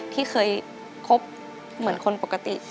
ที่เคยคบเหมือนคนปกติ